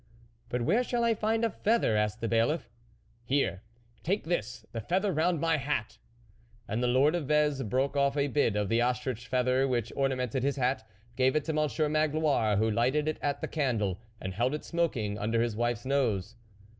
" But where shall I find a feather ?" asked the bailiff. " Here ! take this, the feather round my hat." And the lord of Vez broke off a bit of the ostrich feather which orna mented his hat, gave it to Monsieur Magloire, who lighted it at the candle and held it smoking under his wife's nose.